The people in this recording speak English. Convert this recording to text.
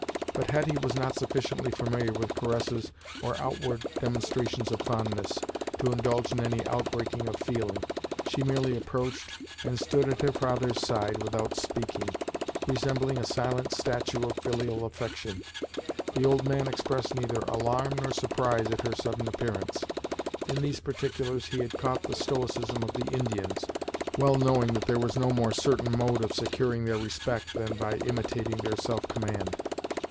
But Hetty was not sufficiently familiar with caresses or outward demonstrations of fondness, to indulge in any outbreaking of feeling. She merely approached and stood at her father's side without speaking, resembling a silent statue of filial affection. The old man expressed neither alarm nor surprise at her sudden appearance. In these particulars he had caught the stoicism of the Indians, well knowing that there was no more certain mode of securing their respect than by imitating their self command.